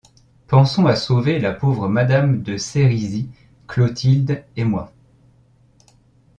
Pensons à sauver la pauvre madame de Sérisy, Clotilde, et moi...